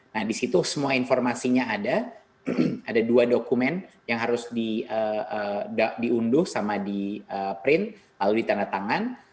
nah di situ semua informasinya ada ada dua dokumen yang harus diunduh sama di print lalu ditandatangan